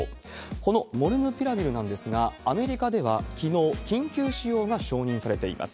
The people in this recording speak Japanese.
このモルヌピラビルなんですが、アメリカではきのう、緊急使用が承認されています。